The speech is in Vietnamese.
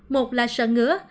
một là sần ngứa